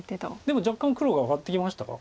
でも若干黒が上がってきましたか。